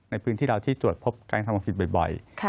ในพื้นที่เราที่ตรวจพบการทำความผิดบ่อย